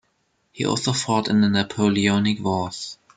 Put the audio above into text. He also fought in the Napoleonic Wars.